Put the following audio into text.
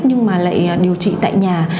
nhưng mà lại điều trị tại nhà